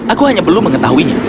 aku hanya belum mengetahuinya